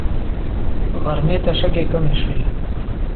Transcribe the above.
غرمې ته شګې کمې شوې.